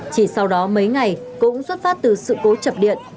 chỉ sau đó mấy ngày cũng xuất phát từ sự cố chập điện